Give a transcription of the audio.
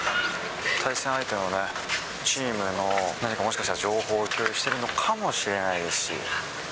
対戦相手のね、チームの、何かもしかしたら情報を共有してるのかもしれないですし。